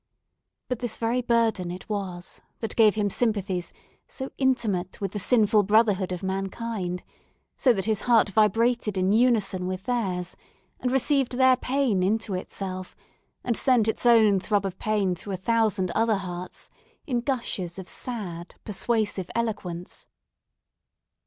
But this very burden it was that gave him sympathies so intimate with the sinful brotherhood of mankind; so that his heart vibrated in unison with theirs, and received their pain into itself and sent its own throb of pain through a thousand other hearts, in gushes of sad, persuasive eloquence.